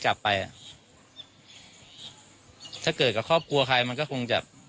จับไปอ่ะถ้าเกิดกับครอบครัวใครมันก็คงจะ